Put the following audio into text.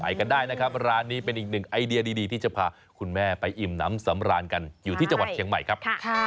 จนทีเลยสีเครื่องทุกอย่างสดแล้วก็หมูเนื้อไก่ที่แบบโอ๊ยลดหม้ออะไรทีเดียวนะครับ